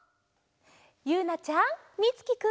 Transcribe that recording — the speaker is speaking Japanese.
ゆうなちゃんみつきくん。